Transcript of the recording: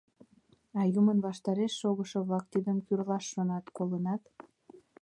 А юмын ваштареш шогышо-влак тидым кӱрлаш шонат, колынат?